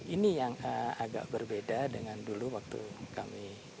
ini yang agak berbeda dengan dulu waktu kami